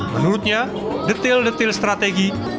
menurutnya detil detil strategi yang diperlukan untuk menjaga keinginan madura